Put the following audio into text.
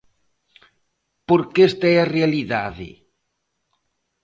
Porque esta é a realidade.